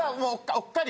おっかり！？